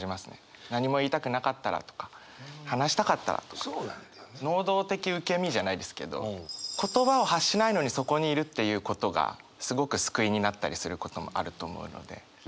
「何も言いたくなかったら」とか「話したかったら」とか能動的受け身じゃないですけど言葉を発しないのにそこにいるっていうことがすごく救いになったりすることもあると思うので。